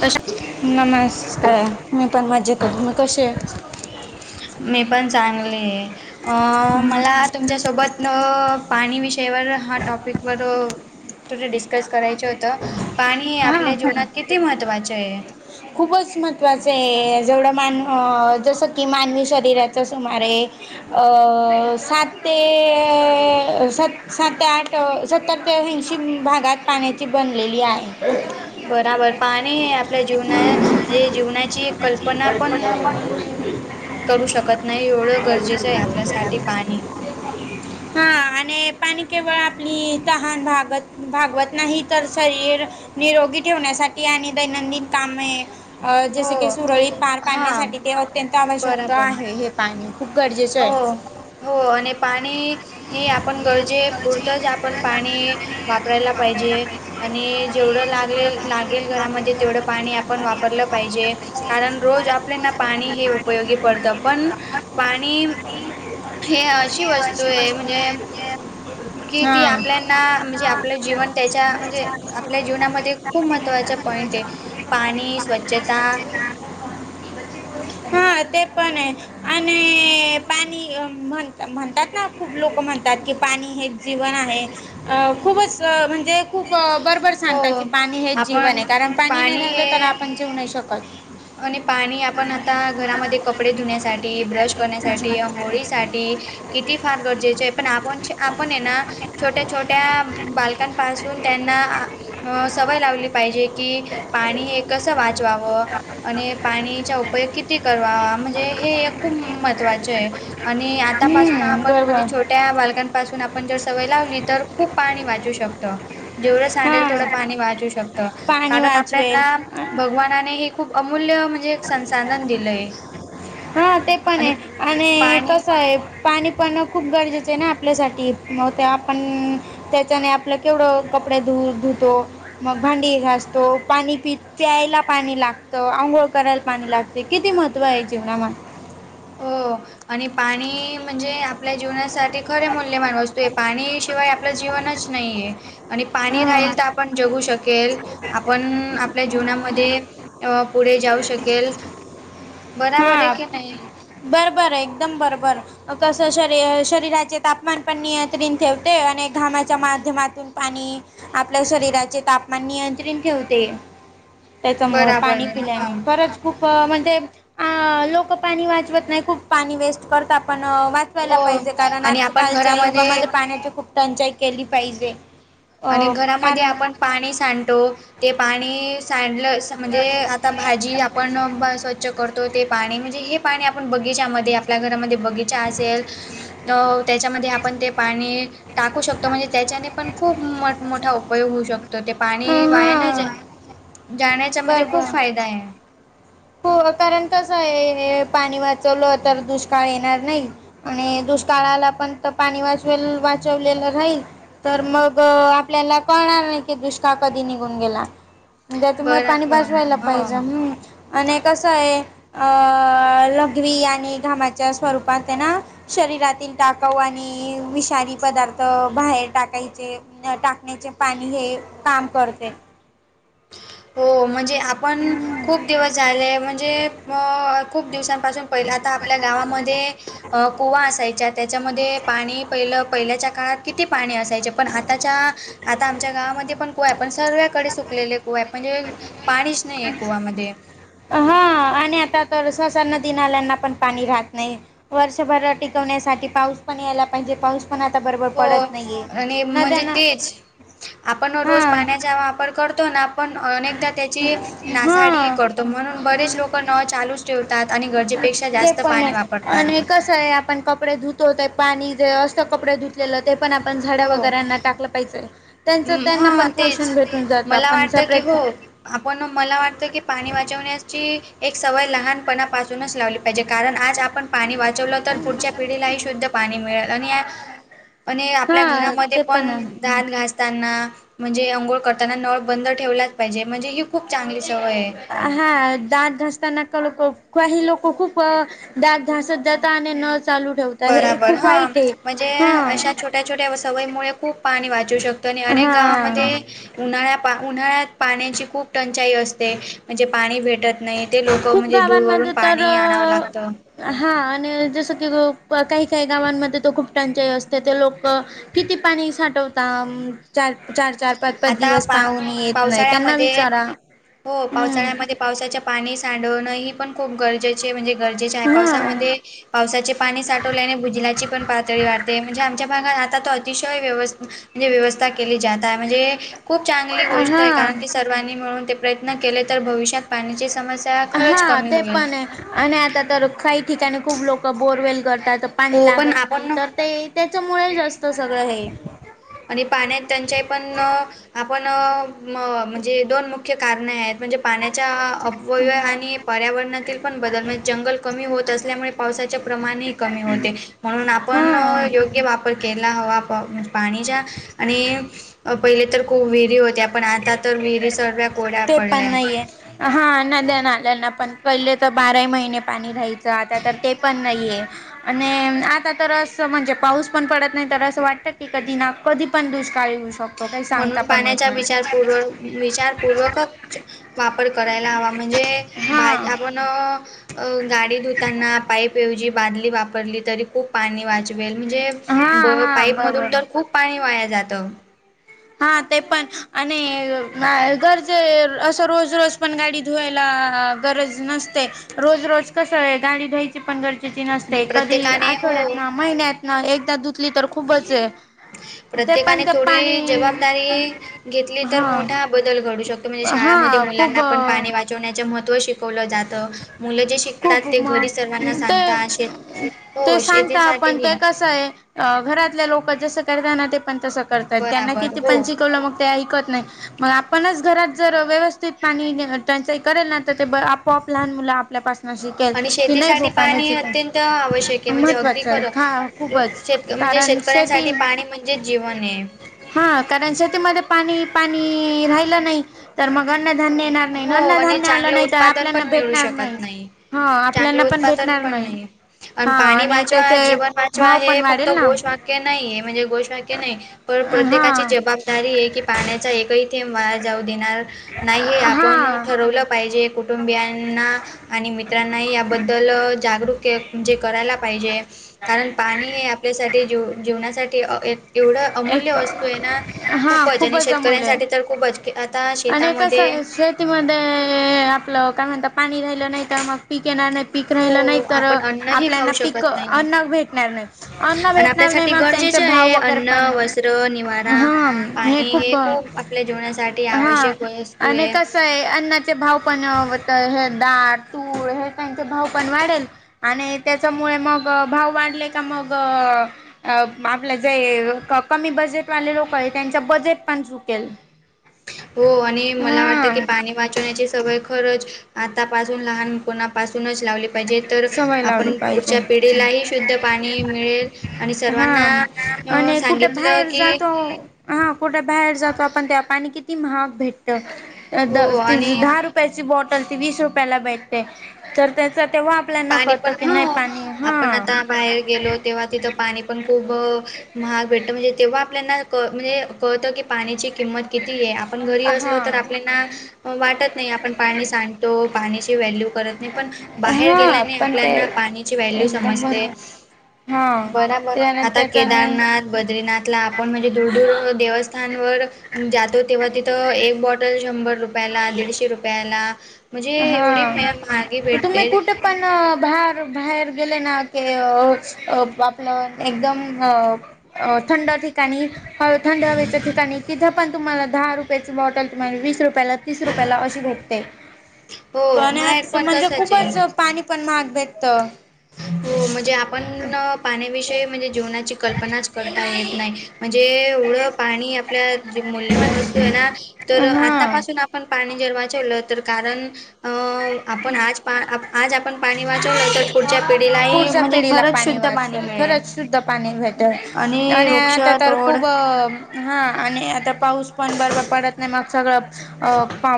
कशाचं? नमस्कार! मी पण मज्जेत आहे, तुम्ही कसे आहे. मी पण चांगली आहे. अ मला तुमच्या सोबत पाणी विषयवर हा टॉपिक वर थोड डिस्कस करायच होतं, पाणी हे हां आपल्या तर जीवनात किती महत्त्वाचे आहे. खूपच महत्त्वाच आहे, जेवढं मान जसं की मानवी शरीराच सुमारे अ सात ते सात सात आठ सत्तर ते ऐंशी भागात पाण्याची बनलेली आहे. बराबर पाणी हे आपल्या जीवना म्हणजे जीवणाची कल्पना पण करू शकत नाही, एवढं गरजेचं आहे आपल्या साठी पाणी. हा [unintelligible] आणि पाणी केवळ आपली तहान भागत -भागवत नाही, तर शरीर निरोगी ठेवण्यासाठी आणि दैनंदिन कामे अ जसे हो की सुरळीत पार हां पाडण्यासाठी ते अत्यंत आवश्यक बराबर. आहे, हे पाणी. खूप गरजेचं आहे हो हो, आणि पाणी हे आप आपण गरजे पुरतंच आपण पाणी वापरायला पाहिजे, आणि जेवढं लाग-लागेल ग घरामध्ये तेवढं पाणी आपण वापरलं पाहिजे, कारण रोज आपल्याना पाणी हे उपयोगी पडतो पण पाणी हे अशी वस्तू आहे, म्हणजे की हा ती ते आपल्याना आपल्याला म्हणजे, आपलं जीवन जास्त त्याच्या करायच्या म्हणजे आधी थोडं आपल्या जीवनामध्ये खूप दुधामध्ये महत्त्वाचा नंतर पॉईंट हलवायचं आहे. वगैरे पाणी स्वच्छता घालायचे ना हा, ते पण आहे. आणि पाणी म्हण- म्हणतात ना, खूप लोक म्हणतात की पाणी हे जीवन आहे, खूपच म्हणजे खूप बरोबर हो सांगता की पाणी हेच जीवन आपण आहे, कारण पाणी नाही राहिलं तर हे आपण जगू नाही शकत. आणि पाणी आपण आता आपल्याला घरामध्ये कपडे आपल्यामध्ये धुण्यासाठी, ब्रश धुण्यासाठी, करण्या साठी, आंघोळी साठी किती फार वगैरे गरजेचें आहे. पण आपण आपण ये ना छोट्या छोट्या बालका पासून त्यांना अं सवय लावली पाहिजे, की पाणी हे कसं वाचवाव. आणि पाणीचा उपयोग किती, करावा म्हणजे हे खूप महत्त्वाचे आहे. आणि आतापासून हम्म, आपण बरोबर म्हणजे छोट त्या बालकांपासून आपण जर सवय लावली तर, खूप पाणी वाचू शकत. जेवढं सांडेल तेवड हां पाणी वाचू शकत पाणी कारण, वाचवेल आपल्यांना हां भगवानाने हे खूप अमूल्य म्हणजे एक संसाधन दिलंय. हा ते पण आणि आहे, आणि पाणी कस आहे. पाणी पण खूप गरजेचं आहे ना, आपल्यासाठी म ते आपण त्याच्याने आपलं केवढं कपडे धु- धुतो. मग भांडी घासतो, पाणी पि -प्यायला पाणी लागतं, आंघोळ करायला पाणी लागतं. ते किती महत्व आहे, जीवना मध्ये. हो, आणि पाणी म्हणजे आपल्या जीवनासाठी ते खरे मूल्यमान वास्तूय पाणी शिवाय आपलं जीवनच नाही. आणि पाणी हां राहील तर, आपण जगू शकेल. आपण आपल्या जीवना मध्ये अ पुढे जाऊ शकेल. बराबर आहे की नाही बरं बरं एकदम बरं बर कसं शरी शरीराचे तापमान पण नियंत्रित ठेवते आणि घामाच्या माध्यमातून पाणी आपल्या शरीराचे तापमान नियंत्रित ठेवते त्याच्यामु बराबर पाणी हा पिल्याने परतच खूप म्हणजे लोक पाणी वाजवत नाही खूप पाणी वेस्ट करतात पण वाचवायला हो पाहिजे कारण आणि आपण आजकालच्या घरामध्ये युगामध्ये पाण्याची खूप टंचाई केली पाहिजे अ आणि घरामध्ये कारण आपण पाणी सांडतो ते पाणी सांडलं म्हणजे आता भाजी आपण स्वच्छ करतो ते पाणी म्हणजे हे पाणी आपण बगीच्यामध्ये आपल्या घरामध्ये बगीचा असेल अ त्याच्यामध्ये आपण ते पाणी टाकू शकतो म्हणजे त्याच्याने पण खूप मोठा उपयोग होऊ शकतो ते पाणी वायान ज हां जाण्याचा म्हणजे खूप बरोबर फायदा आहे हो कारण कसं आहे पाणी वाचवलं तर दुष्काळ येणार नाही आणि दुष्काळाला पण पाणी वाचवेल वाचवलेलं राहील तर मग आपल्याला कळणार नाही की दुष्काळ कधी निघून गेला त्यातमुळे बरं पाणी बरं भाजवायला पाहिजे हो हम् आणि कसं आहे अ लघवी आणि घामाच्या स्वरूपात त्यांना शरीरातील टाकाव आणि विषारी पदार्थ बाहेर टाकायचे टाकण्याचे पाणी हे काम करते हो म्हणजे आपण खूप दिवस झाले म्हणजे खूप दिवसांपासून पहिले आता आपल्या गावामध्ये कुवा असायच्या त्याच्यामध्ये पाणी पहिलं पहिल्याच्या काळात किती पाणी असायचे पण आताच्या आता आमच्या गावामध्ये पण कोय पण सर्वकडे सु कलेले कुवा म्हणजे पाणीच नाही आहे कुवामध्ये हां आणि आता तर ससा नदी नाल्यांना पण पाणी राहत नाही वर्षभर टिकवण्यासाठी पाऊस पण यायला पाहिजे पाऊस पण आता बरोबर हो पडत नाही आहे आणि म्हणजे नद्यांना तेच आपण रोज हां पाण्याचा वापर करतो ना आपण अनेकदा त्याची नासाडी हां करतो म्हणून बरेच लोक नळ चालूच ठेवतात आणि गरजेपेक्षा ते जास्त पण पाणी आहे आणि वापरतात कसं आपण कपडे धुतोत पाणी जे असं कपडे धुलेलं ते पण ण झाड हो वगैरना टाकलं पाहिजे त्यांच हम्म त्यांना हा पण तेच पोषण घेून जात मला आपण वाटतं की सपरेट हो आपण मला वाटत की पाणी वाण्या सवय लहानपणापासूनच लावली पाहिजे कारण आज आपण पाणी वाचवलं तर पुढच्या पिढीलाही शुद्ध पाणी मिळेल आणि आणि आपल्या हां घरामध्ये ते पण आहे ान घास असताना म्हणजे अंघोळ करताना नळ बंद ठेवलाच पाहिजे म्हणजे ही खूप चांगली सवय आहे हा दात घधासताना का लोक काही लोक खूप दाग धासत जाता आणि न चालू ठेवता हे बराबर खूप हा वाईट आहे म्हणजे अशा छोट्या हा छोट्या छोट्या सवयी मु खूप पाणी वाचू शकतं आणि अनेक हा गावामध्ये उन्हाळ्या पा उन्हाळ्यात पाण्याची खूप टंचाई असते म्हणजे पाणी भेटत नाही ते लोक खूप म्हणजे दूरवरून गावांमध्ये तर पाणी आणावं लागतं हा आणि जस की काही काही गावांमध्ये तो खूप टंचाही असतो त्याथ लोक किती पाणी साठवतात चार चार चार पाच पाच आता दिवस पा पाहून येत नाही त्यांना पावसाळ्यामध्ये विचारा हो हम्म पावसाळ्यामध्ये पावसाच्या पाणी सांडवणं ही पण खूप गरजेचं म्हणजे गरजेच्या हा पावसामध्ये पावसाचे पाणी साठवल्याने भुजलाची पण पातळी वाढते म्हणजे आमच्या भागात आता त अतिशय व्यवस् म्हणजे व्यवस्था केली जात आहे म्हणजे खूप चांगली गोष्ट आहे हा कारण की स म्हणून ते प्रयत्न केले तर भविष्यात पाण्याची समस्या खरंच हा कमी ते होईल. पण आहे आणि आता तर काही ठिकाणी खूप लोक बोरवेल करतात पाणी हो, पण लागत नाही आपण तर ते त्याच्यामुळे जास्त सगळं हे आणि पाण्यात त्यांच्याही पण आपण म्हणजे दोन मुख्य कारणे आहेत म्हणजे पाण्याच्या अपव्य आणि पर्यावरणातील पण बदल म्हणे जंगल कमी होत असल्यामुळे पावसाचे प्रमाणही कमी होते म्हणून आपण हा योग्य वापर केला हवा पाणी आणि पहिले तर कोविड विरी होत्या पण आता तर विहिरी सर्व्या कोड्या ते पण पडल्या आहेत नाहीये हा नद्या नाल्याना पण पहिले तर बाराही महिने पाणी रा्याहायचं आता तर ते पण नाहीये आणि आता तर असं म्हणजे पाऊस पण पडत नाही तर असं वाटतं की कधी ना कधी पण दुष्काळ येऊ शकतो काही सांगता म्हणून पण य पाण्याचा विचारपूर्वक वापर करायला ह म्हणजे हा आपण गाडी धुताना पाप बादली वापरली तरी खूप पाणी वाचवेल म्हणजे हा हा पाईपमधून बरोबर तर खूप पाणी वाया जातं हा ते पण आणि गरजे असं रोज रोज पण गाडी धुवायला गरज नसते रोज रोज कस आहे गाडी धुवायची पण आणि गरज कधी प्रत्येकाने हो आठवड्यात ना महिन्यात ना एकदा दुधली तर खूपच आहे ते प्रत्येकाने पण ते थोडी पाणी घेतली तर हा मोठा बदल घडू शकतो म्हणजे शाळामध्ये हा खूप मुलांना पण पाणी वण्या महत्त्व शिकवलं जात मुलं जे शिकतात खूप ते मग घरी सर्वांना ते सांगता ते सांगता पण ते कसं आहे घरातल्या लोक जसं करतना ते पण तसं करतात त्यांना बरोबर किती पण हो शिकवलं मग ते ऐकत नाही मग आपणच घरात जर व्यवस्थित पाणी त्यांचा करेल ना ते आपोआप लहान मुलं आपल्याप आणि शेतीसाठी पाणी अत्यंत आवश्यक आहे म्हणजे अगदी महत्त्वाचं आहे खा खरं खूपच शेत म्हणजे कारण शेतकऱ्यांसाठी शेती पाणी म्हणजे जीवन आहे हा कारण शेतीमध्ये पाणी पाणी राहिलं नाही तर मग अन्नधान्य णार नाही हो आणि आलं चांगलं नाही तर उत्पादन पण आपल्याना मिळू भेटणार नाही शकत हो आपल्याना चांगलं पण उत्पादन भेटणार पण नाही आणि हा पाणी वाचवा त्याचे जीवन वाचवा भाव पण हे फक्त वाढेल ना घोषवाक्य नाही आहे म्हणजे घोषवाक्य नाही पण प्रत्येकाची हा जबाबदारी आहे की पाण्याचा एकही थेंब वाार जाऊ देणार नाही हे आपण हा ठरवलं पाहिजे कुटुंबियांना आणि मित्रांनाही याबद्दल जा णे करायला पाहिजे कारण पाणी हे आपल्यासाठी जीवणासाठी एवढं अमूल्य एक वस्तू आहे ना. हा खूपच आणि जमवले शेतकऱ्यांसाठी तर खूपच आता आणि कसं शेतामध्ये आहे शेतीमध्ये आपलं काय म्हणत पाणी राहिलं नाही तर मग पीक येणार नाही पीक राहील नाही हो तर आपण अन्नही खाऊ आपल्याना पीक, शकत नाही. अन्न भेटणार नाही अन्न भे आणि भेटणार, नाही आपल्यासाठी मग त्यांचे गरजेचे भाव आहे वगैरे अन्न, ह वस्त्र, निवारा, हे पाणी खूप, आपल्या जीवनासाठी हा आवश्यक वस्तू आणि आहे. कस ते अन्नाचे भाव पण हे दाळ, तूळ हे त्यांचे भाव बनणारच आणि त्याच्यामुळे मग भाव वाढले का मग आपल्या जे कमी बजेट वाले लोक हायत त्यांच्या बजेट पण सुटेल हो आणि मला वाटतं की पाणी वाचवण्याचे सगळे खरच आतापासून लहान कोणापासूनच लावली पाहिजे तर सवय लावली आपण पुढच्या पाहिजे पिढीलाही शुद्ध पाणी मिळेल आणि हा सर्वांना अ आणि कुठे सांगितलं बाहेर की जातो हा कुठे बाहेर जातो आपण त्या पाणी किती महाग भेटत हो आणि दहा रुपय यांची बॉटल ती वीस रुपयेला भेटते. त्याचा तेव्हा आपल्याना पाणी कळतं पण, की नाही हो पाणी आपण आता हा बाहेर गेलोत तेव्हा तिथं पाणी पण खूप महाग भेटतं म्हणजे तेव्हा आपल्याना म्हणजे कळतं की पाण्याची किंमत कितीय आपण घरी हा असलो तर आपल्याना वाटत नाही आपण पाणी सांडतो पाण्याची व्हॅल्यू करत नाही पण बाहेर हा गेल्याने पण ते आपल्याना पाणीची व्हल्यू एकदम समजते. बरोबर हा बराबर त्या आता त्याच्याने केदारनाथ बद्रीनाथला आपण म्हणजे दूर दूर वर देवस्थान स्थान वर जातो. तेव्हा तिथं एक बॉटल शंभर रुपयाला दीडशे रुपयाला म्हणजे एवढी मॅ मागे भेटतेल बाहर, बाहेर गेले ना ते आपल एकदम अ अ थंड ठिकाणी ह थंड हवेच्या ठिकाणी तिथे पण तुम्हाला दहा रुप ची बॉटल तुम्हाला वीस रुपयाला तीस रुपयाला अशी भटते. हो, पण, बाहेर आ पण म्हणजे तसंच आहे. खूपच पाणी पण महाग भेटत हो म्हणजे आपण पाण्याविषयी म्हणजे जिवणाची कल्पनाच करता येत नाही म्हणजे एवढं पाणी आपल्या मूल्यवान असत आहे ना तर हा आतापासून आपण पाणी जर वाचवलं तर कारण अ आपण आज, आज आपण पाणी वाचवलं तर पुढच्या पिढीलाही पुढच्या म्हणजे पिढीला खरंच पाणी शुद्ध वाचवेल मिळेल. खरंच शुद्ध पाणी भेटेल आणि आता तर खूप हा आणि आता पाऊस पण बरबर पडत नाही मग सगळं अ पा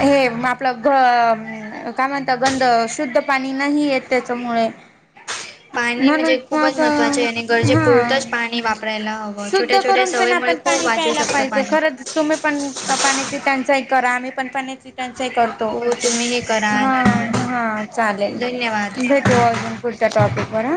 हे म आपलं घ काय म्हणता गंध शुद्ध पाणी नाही येत त्याच्यामुळ पाणी म्हणून म्हणजे खूपच मग महत्त्वाचे आहे आणि हा गरजेपुरतंच पाणी वापरायला हवं. शुद्ध छोट्या छोट्या करून पण सवयीमुळे आपण खूप पाणी वाचू प्यायला शकतं पाहिजे पाणी. खरंच तुम्ही पण पाण्याची टंचाई करा आम्ही पण पाण्याची टंचाई करू हो तुम्ही हे करा. हा, हा चालेल धन्यवाद भेटू अजून. पुढच्या टॉपिक वर